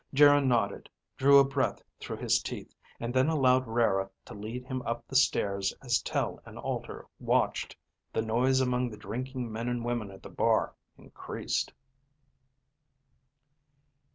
Geryn nodded, drew a breath through his teeth, and then allowed Rara to lead him up the stairs as Tel and Alter watched. The noise among the drinking men and women at the bar increased.